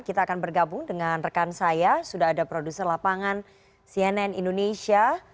kita akan bergabung dengan rekan saya sudah ada produser lapangan cnn indonesia